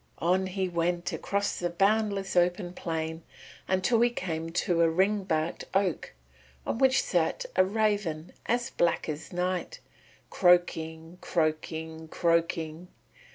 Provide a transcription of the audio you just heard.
On he went across the boundless open plain until he came to a ring barked oak on which sat a raven as black as night, croaking, croaking, croaking.